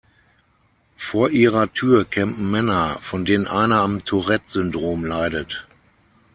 Vor ihrer Tür campen Männer, von denen einer am Tourette-Syndrom leidet.